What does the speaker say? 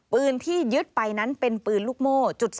ปืนที่ยึดไปนั้นเป็นปืนลูกโม่๓